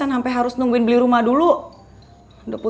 selesai kan sampe harus nungguin beli rumah dulu